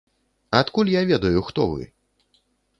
Адкуль я ведаю, хто вы?